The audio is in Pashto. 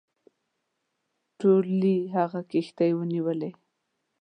ټولي هغه کښتۍ ونیولې.